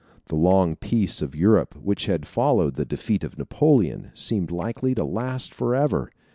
The long peace of Europe, which had followed the defeat of Napoleon, seemed likely to last forever.